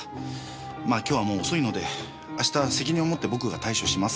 まあ今日はもう遅いので明日責任を持って僕が対処します。